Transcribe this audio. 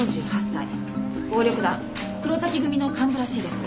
暴力団黒瀧組の幹部らしいです。